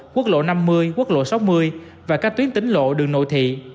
quốc lộ năm mươi quốc lộ sáu mươi và các tuyến tính lộ đường nội thị